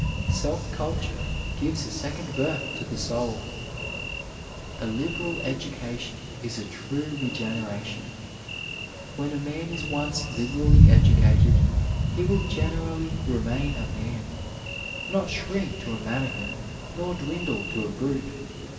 Self culture gives a second birth to the soul. A liberal education is a true regeneration. When a man is once liberally educated, he will generally remain a man, not shrink to a manikin, nor dwindle to a brute.